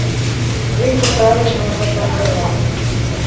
Вельмі правільная гэтая мера.